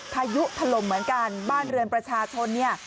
พายุถล่มเหมือนกันบ้านเรือนประชาชนเนี่ย